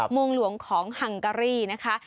โมงหลวงของฮังการี่นะคะ